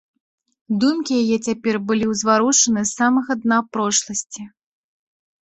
Думкі яе цяпер былі ўзварушаны з самага дна прошласці.